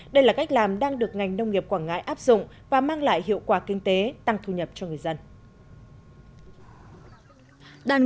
đây là cách làm đang được ngành nông nghiệp quảng ngãi áp dụng và mang lại hiệu quả kinh tế tăng thu nhập cho người dân